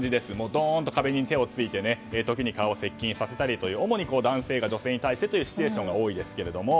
どーんと壁に手をついて時に顔を接近させたり主に男性が女性に対してというシチュエーションが多いですけども。